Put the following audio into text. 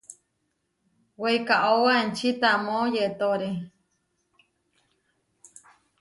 Weikaóba enči tamó yetóre.